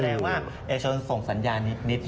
แรงว่าเอกชนส่งสัญญานิดแหละ